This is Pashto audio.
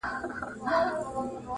پر هندو او مسلمان یې سلطنت وو!.